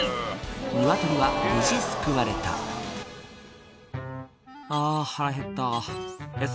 ニワトリは無事救われた「あぁ腹へったエサまだ？」